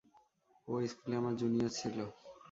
ও স্কুলে আমার জুনিয়র ছিল।